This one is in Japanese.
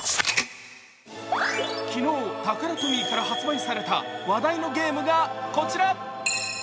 昨日、タカラトミーから発売された話題のゲ−ムがこちら。